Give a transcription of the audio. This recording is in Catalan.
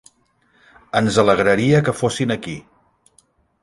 Ens alegraria que fossin aquí.